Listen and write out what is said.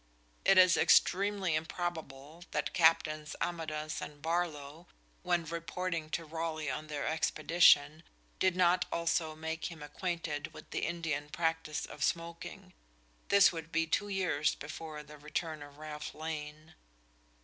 It is extremely improbable that Captains Amadas and Barlow, when reporting to Raleigh on their expedition, did not also make him acquainted with the Indian practice of smoking. This would be two years before the return of Ralph Lane.